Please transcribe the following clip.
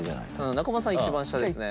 仲間さん一番下ですね。